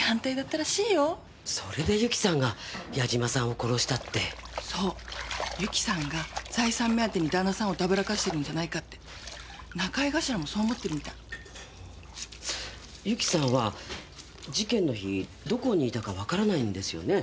それで友紀さんが矢島さんを殺したってそう友紀さんが財産目当てに旦那さんをたぶらかしてるんじゃないかって仲居頭もそう思ってるみたい友紀さんは事件の日どこにいたか分からないんですよね